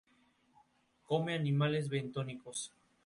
Come animales bentónicos.